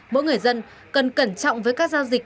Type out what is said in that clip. mỗi người dân cần cẩn trọng với các giao dịch